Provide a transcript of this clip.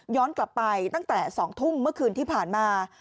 กลับไปตั้งแต่๒ทุ่มเมื่อคืนที่ผ่านมา